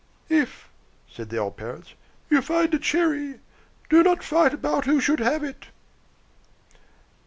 "If," said the old Parrots, "you find a cherry, do not fight about who should have it."